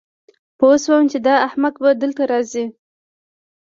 پوه شوم چې دا احمق به دلته راځي